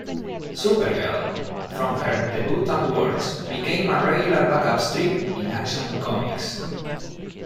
Supergirl, from her debut onwards, became a regular backup strip in "Action Comics".